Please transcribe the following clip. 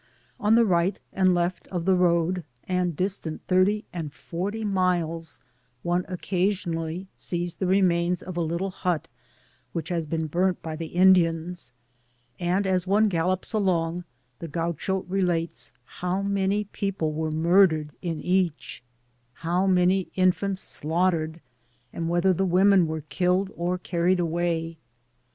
On the right and left of the road, and distant thirty and forty miles, cme ocoa* sionally sees the remains of a little hut which has been burnt by the Indians; and as one gallops along, the Gaucho rdates how many people were murdered in each— how many infants slaughtered — and whether* the women were killed or carried away.